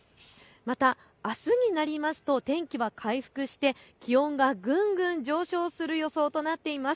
また、あすになると天気は回復して気温がぐんぐん上昇する予想となっています。